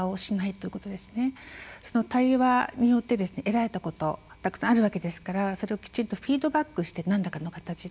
対話によって得られたことたくさんあるわけですからそれをきちんとフィードバックして何らかの形で。